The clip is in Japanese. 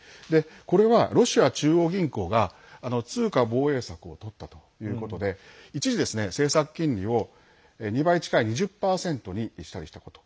これはロシア中央銀行が通貨防衛策をとったということで一時、政策金利を２倍近い２０％にしたりしたこと。